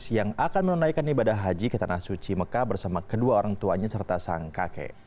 yang akan menunaikan ibadah haji ke tanah suci mekah bersama kedua orang tuanya serta sang kakek